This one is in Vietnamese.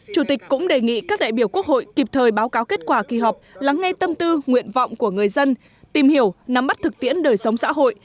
chủ tịch cũng đề nghị các đại biểu quốc hội kịp thời báo cáo kết quả kỳ họp lắng nghe tâm tư nguyện vọng của người dân tìm hiểu nắm bắt thực tiễn đời sống xã hội